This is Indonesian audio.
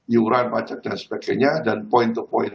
iuran pajak dan sebagainya dan point to point